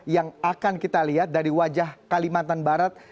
yang akan kita lihat dari wajah kalimantan barat